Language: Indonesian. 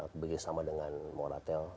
berbagi sama dengan morotel